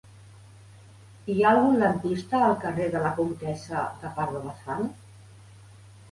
Hi ha algun lampista al carrer de la Comtessa de Pardo Bazán?